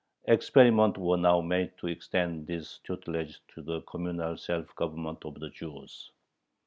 Experiments were now made to extend this tutelage to the communal self government of the Jews.